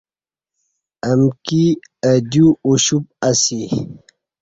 امکی اہ دیو اوشُپ اسی۔